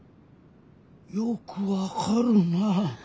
よく分かるな。